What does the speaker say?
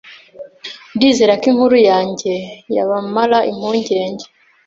Ndizera ko inkuru yange yabamara impungenge